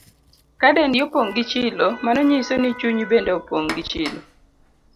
Ka dendi opong' gi chilo, mano nyiso ni chunyi bende opong' gi chilo.